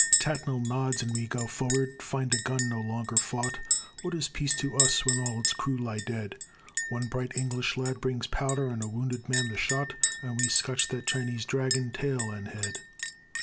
Tattnall nods, and we go forward, find a gun no longer fought What is peace to us when all its crew lie dead? One bright English lad brings powder and a wounded man the shot, And we scotch that Chinese dragon, tail and head.